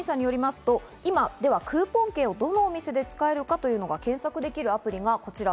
鳥海さんによりますとクーポン券をどのお店で使えるかというのが検索できるアプリがこちら。